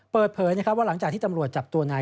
เปิดเผยว่าหลังจากที่ตำรวจจับตัวนาย